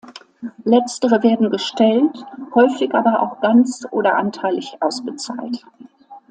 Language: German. Letztere werden gestellt, häufig aber auch ganz oder anteilig ausbezahlt.